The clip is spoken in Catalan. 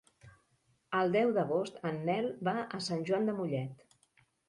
El deu d'agost en Nel va a Sant Joan de Mollet.